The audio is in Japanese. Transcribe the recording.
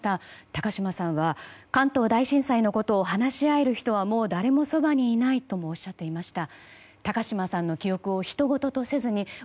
高嶋さんは、関東大震災のことを話し合える人はもう誰もそばにいないともおっしゃっていました。